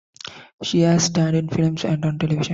She has starred in films and on television.